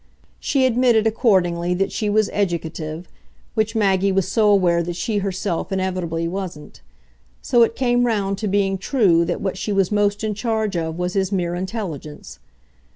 She admitted accordingly that she was educative which Maggie was so aware that she herself, inevitably, wasn't; so it came round to being true that what she was most in charge of was his mere intelligence.